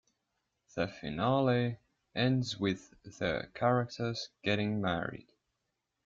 The finale ends with their characters getting married.